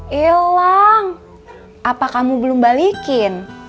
hilang apa kamu belum balikin